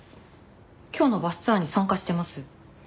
今日のバスツアーに参加してます。